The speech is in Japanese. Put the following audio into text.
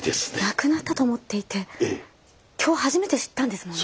亡くなったと思っていて今日初めて知ったんですもんね？